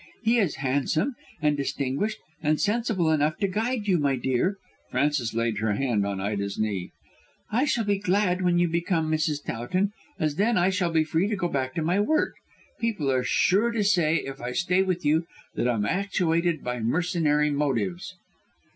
He is handsome and distinguished and sensible enough to guide you. My dear," Frances laid her hand on Ida's knee, "I shall be glad when you become Mrs. Towton, as then I shall be free to go back to my work. People are sure to say, if I stay with you, that I am actuated by mercenary motives."